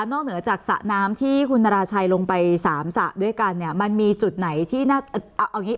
เหนือจากสระน้ำที่คุณนราชัยลงไปสามสระด้วยกันเนี่ยมันมีจุดไหนที่น่าเอาอย่างงี้